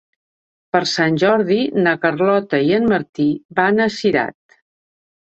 Per Sant Jordi na Carlota i en Martí van a Cirat.